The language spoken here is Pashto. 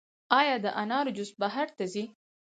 آیا د انارو جوس بهر ته ځي؟